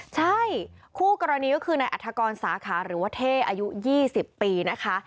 ใช่คู่กรณีก็คือนายอัฐกรสาขาหรือว่าเท่อายุ๒๐ปีนะคะ